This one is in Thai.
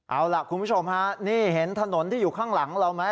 เอาล่ะคุณผู้ชมฮะนี่เห็นถนนที่อยู่ข้างหลังเราไหม